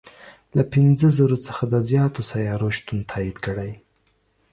له پنځه زرو څخه د زیاتو سیارو شتون تایید کړی.